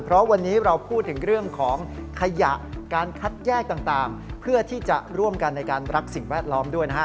เพราะวันนี้เราพูดถึงเรื่องของขยะการคัดแยกต่างเพื่อที่จะร่วมกันในการรักสิ่งแวดล้อมด้วยนะฮะ